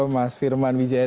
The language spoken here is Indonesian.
mas firman wijaya